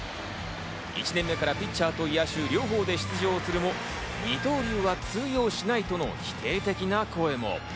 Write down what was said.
１年目からピッチャーと野手、両方で出場するも、二刀流は通用しないとの否定的な声も。